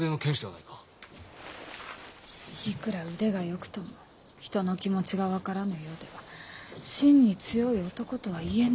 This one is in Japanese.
いくら腕が良くとも人の気持ちが分からぬようでは真に強い男とは言えぬ。